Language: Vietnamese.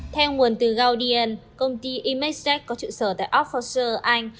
theo nguồn từ gaudien công ty imagetech có trụ sở tại oxfordshire anh